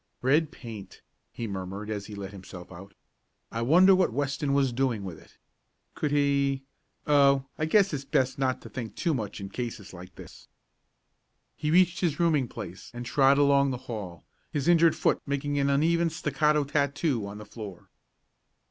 "Red paint," he murmured as he let himself out. "I wonder what Weston was doing with it? Could he Oh, I guess it's best not to think too much in cases like this." He reached his rooming place and trod along the hall, his injured foot making an uneven staccato tattoo on the floor.